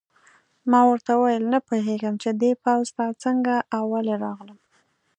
ما ورته وویل: نه پوهېږم چې دې پوځ ته څنګه او ولې راغلم.